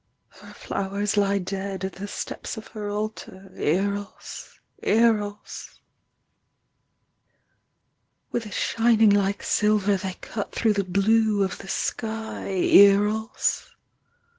Her flowers lie dead at the steps of her altar, Eros ! Eros ! With a shining like silver they cut through the blue of the sky Eros!